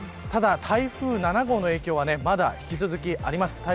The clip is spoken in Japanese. ただ、台風７号の影響はまだ引き続きあります。